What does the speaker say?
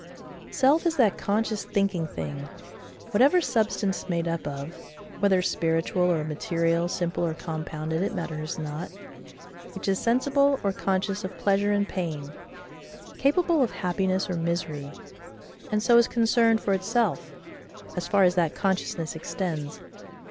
SELF is that conscious thinking thing,—whatever substance made up of, (whether spiritual or material, simple or compounded, it matters not)—which is sensible or conscious of pleasure and pain, capable of happiness or misery, and so is concerned for itself, as far as that consciousness extends.